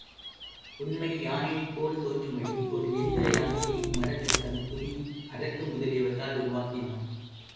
உண்மை யானையைப் போல் தோன்றும்படி ஒரு எந்திர யானையை மரச்சட்டம், துணி, அரக்கு முதலியவற்றால் உருவாக்கினான்.